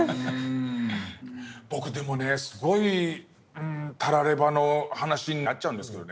僕でもねすごいたらればの話になっちゃうんですけどね